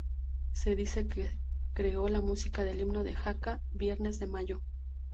Se dice que creó la música del himno de Jaca: "Viernes de Mayo".